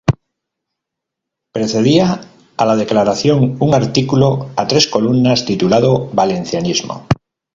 Precedía a la Declaración un artículo a tres columnas titulado "Valencianismo".